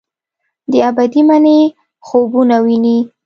د ابدي مني خوبونه ویني